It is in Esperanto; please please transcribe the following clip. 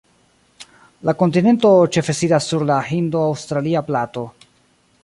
La kontinento ĉefe sidas sur la Hindo-Aŭstralia Plato.